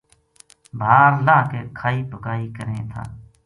بھار لاہ کے کھائی پکائی کریں تھا